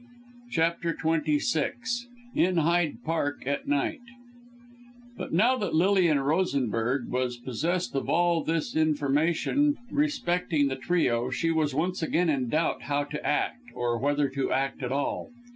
CHAPTER XXVI IN HYDE PARK AT NIGHT But now that Lilian Rosenberg was possessed of all this information respecting the trio, she was once again in doubt how to act, or whether to act at all.